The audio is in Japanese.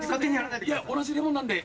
いや同じレモンなんで。